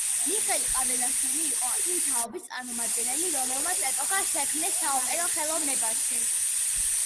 მიხეილ ყვარელაშვილი იყო იმ თაობის წარმომადგენელი, რომლებმაც ეპოქა შექმნეს საოპერო ხელოვნებაში.